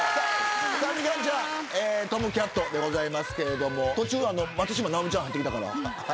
みかんちゃんＴＯＭ☆ＣＡＴでございますけれども途中松嶋尚美ちゃん入ってきたから。